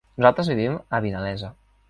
Nosaltres vivim a Vinalesa.